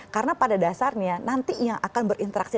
karena pada dasarnya nanti yang akan berinteraksi